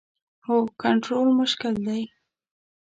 هو، کنټرول مشکل دی